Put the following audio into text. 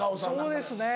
そうですね